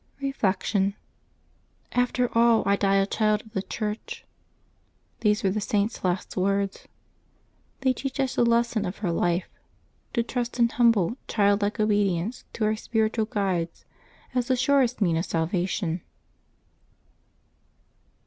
Reflection.—" After all I die a child of the Church." These were the Sainf s last words. They teach us the les son of her life — to trust in humble, childlike obedience to our spiritual guides as the surest means of salvation.